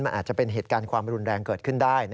มันอาจจะเป็นเหตุการณ์ความรุนแรงเกิดขึ้นได้